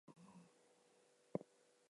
Others operate independently.